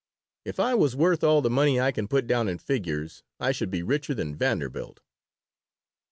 If I was worth all the money I can put down in figures I should be richer than Vanderbilt."